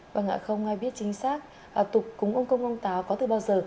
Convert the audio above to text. vâng ạ không ai biết chính xác tục cúng ông công ông táo có từ bao giờ